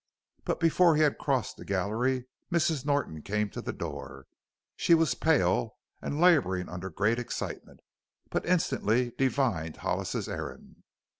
But before he had crossed the gallery Mrs. Norton came to the door. She was pale and laboring under great excitement, but instantly divined Hollis's errand.